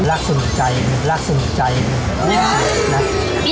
รักสนุกใจรักสนุกใจ